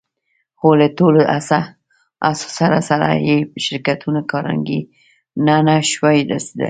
خو له ټولو هڅو سره سره يې شرکتونه کارنګي ته نه شوای رسېدای.